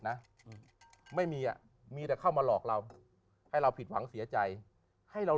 นะอืมไม่มีอ่ะมีแต่เข้ามาหลอกเราให้เราผิดหวังเสียใจให้เรา